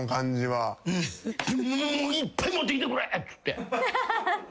いっぱい持ってきてくれっつって。